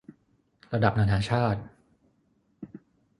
ระดับนานาชาติ